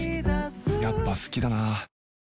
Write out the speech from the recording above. やっぱ好きだな